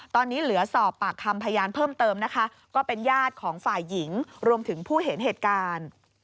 ตอนนี้เหลือสอบปากคำพยานเพิ่มเติมนะคะก็เป็นญาติของฝ่ายหญิงรวมถึงผู้เห็นเหตุการณ์